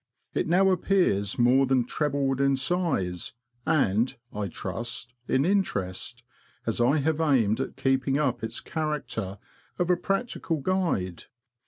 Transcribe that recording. It now appears more than trebled in size, and, I trust, in interest, as I have aimed at keeping up its character of a practical guide.